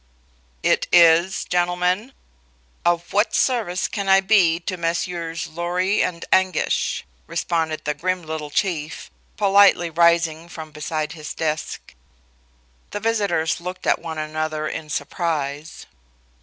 "It is, gentlemen. Of what service can I be to Messieurs Lorry and Anguish?" responded the grim little Chief, politely rising from beside his desk. The visitors looked at one another in surprise.